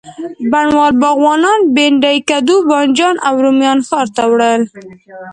بڼوال، باغوانان، بینډۍ، کدو، بانجان او رومیان ښار ته وړل.